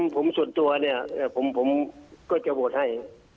ผมส่วนตัวเนี่ยผมก็จะโหวตให้